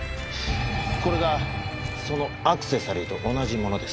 これがそのアクセサリーと同じものです。